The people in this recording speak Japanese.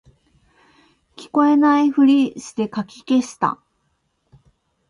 聞こえないふりしてかき消した